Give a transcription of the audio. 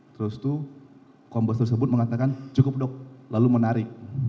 terus itu kompos tersebut mengatakan cukup dok lalu menarik